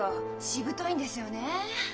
しぶといんですよね。